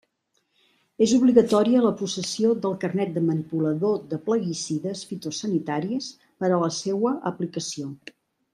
És obligatòria la possessió del carnet de manipulador de plaguicides fitosanitaris per a la seua aplicació.